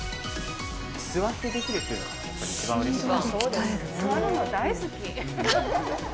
座ってできるっていうのがやっぱり一番嬉しい。